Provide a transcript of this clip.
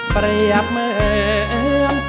เปรียบมือเอิม